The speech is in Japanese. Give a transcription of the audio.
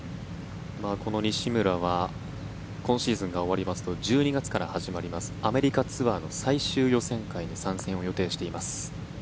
この西村は今シーズンが終わりますと１２月から始まりますアメリカツアーの最終予選会に参戦を予定しています。